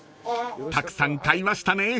［たくさん買いましたね］